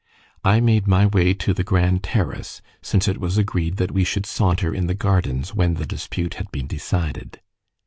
I made my way to the Grand Terrace, since it was agreed that we should saunter in the gardens when the dispute had been decided.